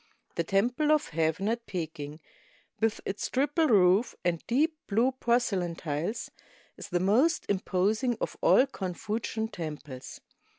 The Temple of Heaven at Peking, with its triple roof and deep blue porcelain tiles, is the most imposing of all Confucian temples.